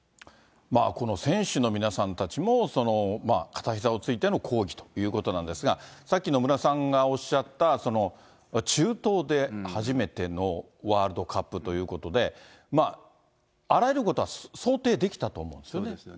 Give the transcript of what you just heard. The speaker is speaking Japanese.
この選手の皆さんたちも片ひざをついての抗議ということなんですが、さっき、野村さんがおっしゃった、中東で初めてのワールドカップということで、あらゆることは想定できたと思うんですよね。